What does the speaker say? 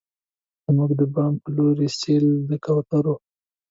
زموږ د بام په لورې، سیل د کوترو